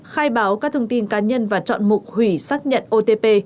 khai báo các thông tin cá nhân và chọn mục hủy xác nhận otp